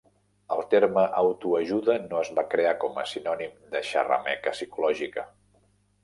El terme "autoajuda" no es va crear com a sinònim de xerrameca psicològica.